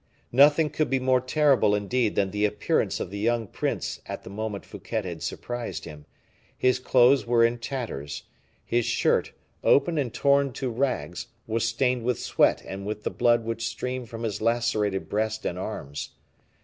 Nothing could be more terrible indeed than the appearance of the young prince at the moment Fouquet had surprised him; his clothes were in tatters; his shirt, open and torn to rags, was stained with sweat and with the blood which streamed from his lacerated breast and arms.